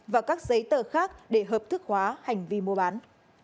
và các giấy tờ khác để hợp thức hóa hành vi mua bán